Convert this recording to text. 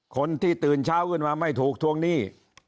คนที่ตื่นเช้าขึ้นมาไม่ถูกทวงหนี้